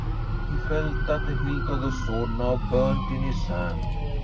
He felt that the hilt of the sword now burnt in his hand.